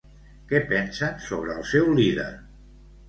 Què pensen sobre el seu líder?